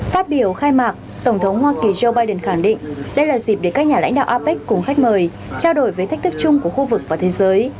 phát biểu khai mạc tổng thống hoa kỳ joe biden khẳng định đây là dịp để các nhà lãnh đạo apec cùng khách mời trao đổi với thách thức chung của khu vực và thế giới